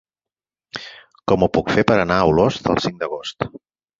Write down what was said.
Com ho puc fer per anar a Olost el cinc d'agost?